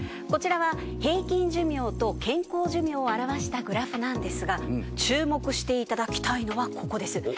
こちらは平均寿命と健康寿命を表したグラフなんですが注目していただきたいのはここです。